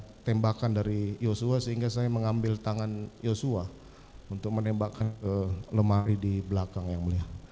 jadi saya harus ada tembakan dari joshua sehingga saya mengambil tangan joshua untuk menembakkan ke lemari di belakang ya mulia